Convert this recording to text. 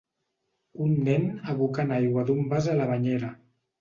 Un nen abocant aigua d'un vas a la banyera.